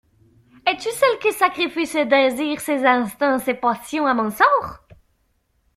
Es-tu celle qui sacrifie ses désirs, ses instincts, ses passions à mon sort?